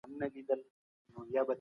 ښوونکی د زدهکوونکو وړتیاوو ته وده ورکوي.